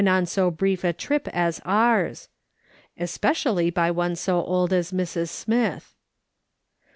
on so brief a trip as ours ! Especially by one so old as Mrs. Smitli.